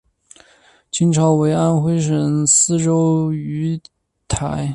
清朝为安徽省泗州盱眙。